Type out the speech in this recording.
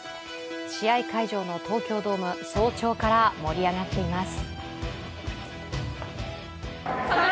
試合会場の東京ドーム早朝から盛り上がっています。